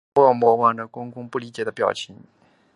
默默望着公公不理解的表情